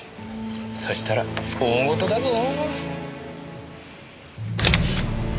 そしたら大事だぞ。